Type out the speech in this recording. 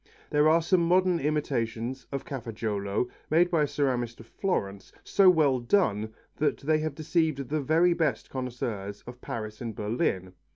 There are some modern imitations of Cafaggiolo made by a ceramist of Florence so well done that they have deceived the best connoisseurs of Paris and Berlin.